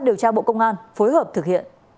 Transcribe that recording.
điều tra bộ công an phối hợp thực hiện